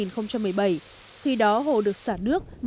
khi đó hồ được xả nước